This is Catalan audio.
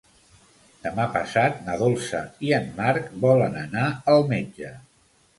Demà passat na Dolça i en Marc volen anar al metge.